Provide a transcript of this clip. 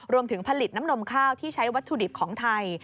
รวมถึงผลิตน้ำนมข้าวที่ใช้วัตถุดิบของไทย